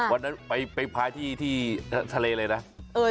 วันนั้นไปพายที่ทะเลอะไรเนี่ย